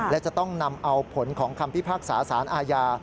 และจะต้องนำเอาผลของคำพิพากษาสารอาญา